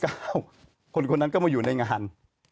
แล้วก็วันที่๙คนนั้นก็มาอยู่ในงาน